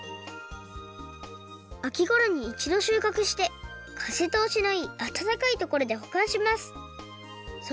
あきごろにいちどしゅうかくしてかぜとおしのいいあたたかいところでほかんします。